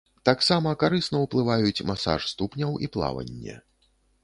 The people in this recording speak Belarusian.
Таксама карысна ўплываюць масаж ступняў і плаванне.